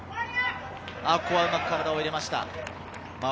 ここはうまく体を入れました。